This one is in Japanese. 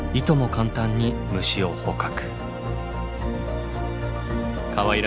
簡単に虫を捕獲。